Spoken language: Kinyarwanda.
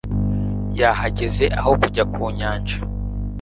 yahagaze aho ku nyanja